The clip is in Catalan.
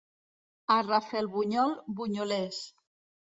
A Rafelbunyol, bunyolers.